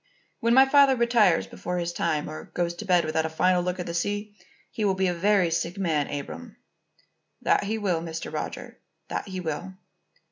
'" "When my father retires before his time or goes to bed without a final look at the sea, he will be a very sick man, Abram." "That he will, Mr. Roger; that he will.